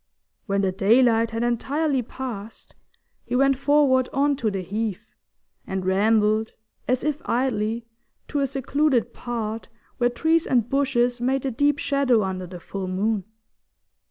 When the daylight had entirely passed, he went forward on to the heath, and rambled, as if idly, to a secluded part, where trees and bushes made a deep shadow under the full moon.